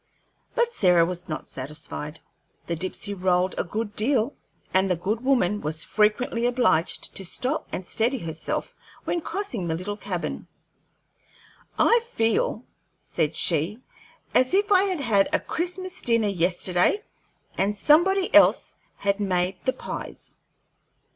But Sarah was not satisfied. The Dipsey rolled a good deal, and the good woman was frequently obliged to stop and steady herself when crossing the little cabin. "I feel," said she, "as if I had had a Christmas dinner yesterday and somebody else had made the pies."